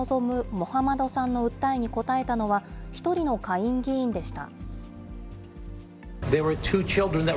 モハマドさんの訴えに応えたのは、１人の下院議員でした。